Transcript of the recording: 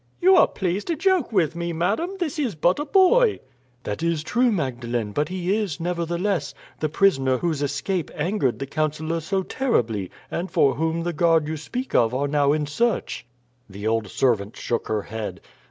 "You are pleased to joke with me, madam. This is but a boy." "That is true, Magdalene; but he is, nevertheless, the prisoner whose escaped angered the councillor so terribly, and for whom the guard you speak of are now in search." The old servant shook her head.